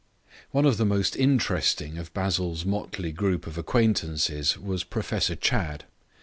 One of the most interesting of Basil's motley group of acquaintances was Professor Chadd.